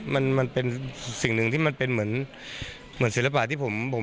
มันเป็นสิ่งหนึ่งที่มันเป็นเหมือนศิลปะที่ผม